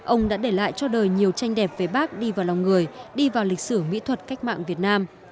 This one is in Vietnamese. ông đã để lại cho đời nhiều tranh đẹp về bác đi vào lòng người đi vào lịch sử mỹ thuật cách mạng việt nam